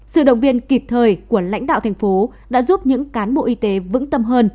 sự động viên kịp thời của lãnh đạo thành phố đã giúp những cán bộ y tế vững tâm hơn